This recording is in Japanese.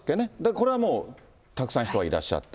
これはもう、たくさん人がいらっしゃった。